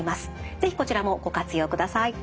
是非こちらもご活用ください。